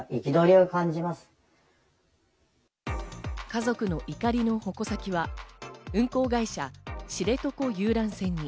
家族の怒りの矛先は運航会社、知床遊覧船に。